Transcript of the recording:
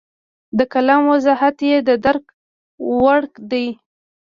د کلام وضاحت یې د درک وړ دی.